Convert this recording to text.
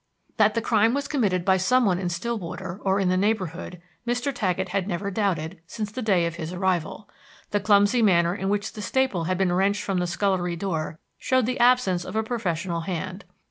That the crime was committed by some one in Stillwater or in the neighborhood Mr. Taggett had never doubted since the day of his arrival. The clumsy manner in which the staple had been wrenched from the scullery door showed the absence of a professional hand.